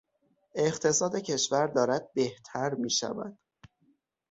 اقتصاد کشور دارد بهتر میشود.